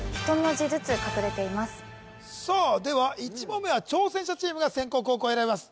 １問目は挑戦者チームが先攻後攻選べます